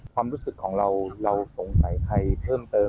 ความรู้สึกของเราเราสงสัยใครเพิ่มเติม